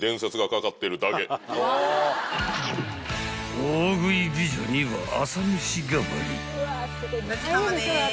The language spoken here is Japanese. ［大食い美女には朝飯代わり］